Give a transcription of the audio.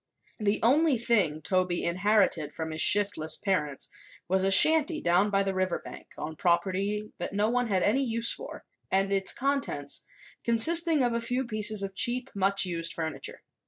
The only thing Toby inherited from his shiftless parents was a shanty down by the river bank, on property that no one had any use for, and its contents, consisting of a few pieces of cheap, much used furniture.